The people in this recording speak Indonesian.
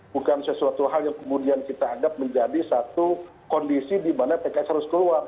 bukan sesuatu hal yang kemudian kita anggap menjadi satu kondisi di mana pks harus keluar